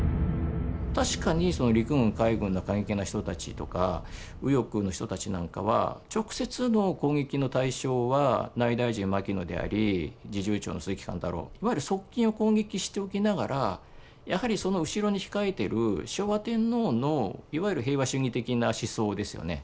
確かにその陸軍海軍の過激な人たちとか右翼の人たちなんかは直接の攻撃の対象は内大臣牧野であり侍従長の鈴木貫太郎いわゆる側近を攻撃しておきながらやはりその後ろに控えてる昭和天皇のいわゆる平和主義的な思想ですよね